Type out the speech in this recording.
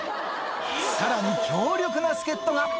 さらに強力な助っ人が。